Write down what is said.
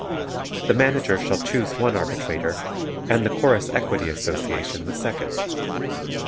The Manager shall choose one arbitrator, and the Chorus Equity Association the second.